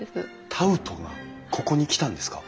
タウトがここに来たんですか？